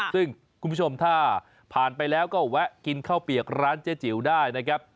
ซึ่งคุณผู้ชมถ้าผ่านไปแล้วก็แวะกินข้าวเปียกร้านเจ๊จิ๋วได้นะครับ